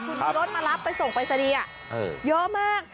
คุณมีรถมารับไปส่งไปเสดียะเยอะมาก